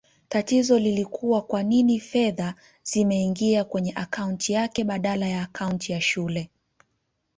Tatizo lilikua kwanini fedha zimeingia kwenye akaunti yake badala ya akaunti ya shule